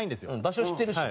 場所知ってるし。